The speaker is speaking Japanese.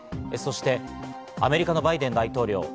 そしてアメリカのバイデン大統領。